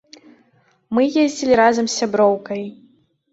Мы ездзілі разам з сяброўкай.